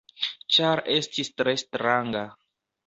Ĉar estis tre stranga.